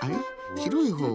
しろいほう。